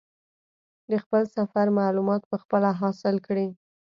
د خپل سفر معلومات په خپله حاصل کړي.